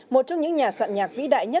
một trong những nhà soạn nhạc vĩ đại nhất